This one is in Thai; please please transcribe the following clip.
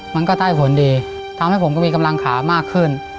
มันก็ได้ผลดีทำให้ผมก็มีกำลังขามากขึ้น